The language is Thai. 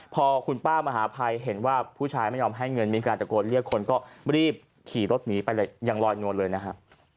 พอคุณป้ามหาภัยเห็นว่าผู้ชายไม่ยอมให้เงินมีการตะโกนเรียกคนก็รีบขี่รถหนีไปเลยยังลอยนวลเลยนะฮะ